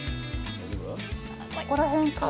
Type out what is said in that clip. ここら辺かな。